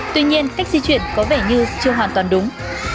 tuy nhiên cách di chuyển có vẻ như chưa hoàn toàn đúng